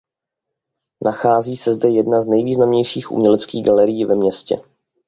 Nachází se zde jedna z nejvýznamnějších uměleckých galerií ve městě.